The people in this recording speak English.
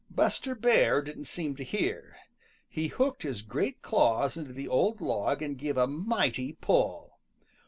Buster Bear didn't seem to hear. He hooked his great claws into the old log and gave a mighty pull.